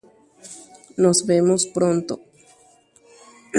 Jajoecháta vokoiete.